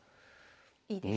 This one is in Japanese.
いいですね。